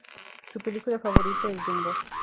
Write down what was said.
Su película favorita es "Dumbo".